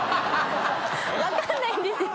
分かんないんですよ。